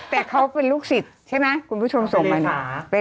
แต่เขาเป็นลูกศิษย์ใช่ไหมคุณผู้ชมส่งมาหา